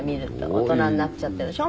大人になっちゃってるでしょ？